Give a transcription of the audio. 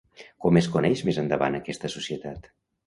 Com es coneix més endavant aquesta societat?